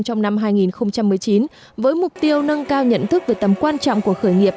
trong năm hai nghìn một mươi chín với mục tiêu nâng cao nhận thức về tầm quan trọng của khởi nghiệp